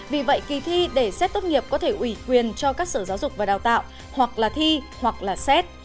vì vậy kỳ thi để xét tốt nghiệp có thể ủy quyền cho các sở giáo dục và đào tạo hoặc là thi hoặc là xét